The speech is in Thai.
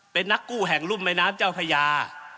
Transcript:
เป็นนักกู้แห่งรุ่มแม่น้ำเจ้าพญา